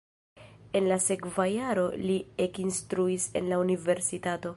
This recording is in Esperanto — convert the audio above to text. En la sekva jaro li ekinstruis en la universitato.